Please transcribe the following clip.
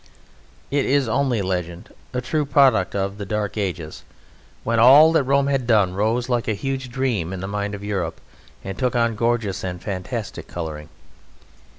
It is only legend a true product of the Dark Ages, when all that Rome had done rose like a huge dream in the mind of Europe and took on gorgeous and fantastic colouring.